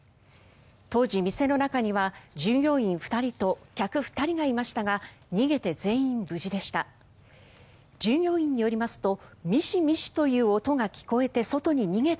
当時、店の中には従業員２人と客２人がいましたが逃げて全員無事でした。